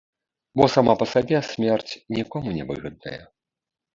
Бо сама па сабе смерць нікому не выгадная.